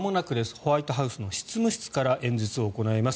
ホワイトハウスの執務室から演説を行います。